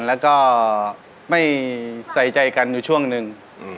แล้วก็ไม่ใส่ใจกันอยู่ช่วงหนึ่ง